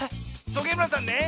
トゲむらさんね